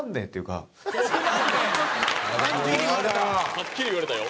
はっきり言われたよ。